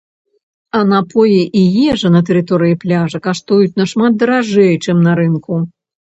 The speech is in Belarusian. А напоі і ежа на тэрыторыі пляжа каштуюць нашмат даражэй, чым на рынку.